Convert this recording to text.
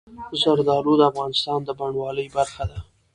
زردالو د افغانستان د بڼوالۍ برخه ده.